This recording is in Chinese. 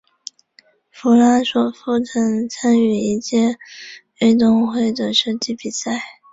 弗拉索夫曾参与一届奥运会的射击比赛。